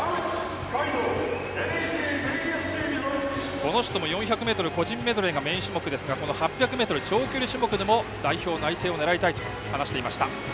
この人も４００ｍ個人メドレーがメイン種目ですがこの８００ｍ、長距離種目も代表内定を狙いたいと話していました、田渕。